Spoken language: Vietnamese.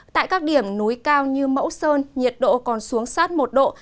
tại các điểm núi cao như mẫu sơn nhiệt độ còn xuống sát một độ